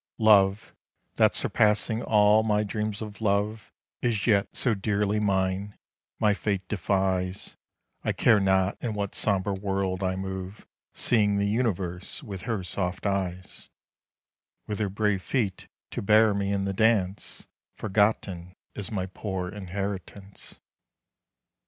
Love, that surpassing all my dreams of love] Is yet so dearly mine, my fate defies, I care not in what sombre world I move Seeing the universe with her soft eyes, With her brave feet to bear me in the dance Forgotten is my poor inheritance.